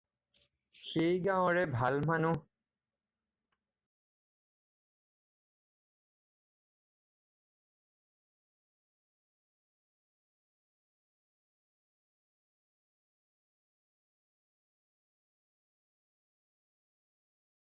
ছিকিম আৰু সমগ্ৰ বাংলাদেশক লৈ স্বদ্বীপ গঠিত।